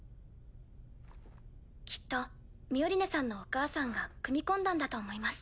きっとミオリネさんのお母さんが組み込んだんだと思います。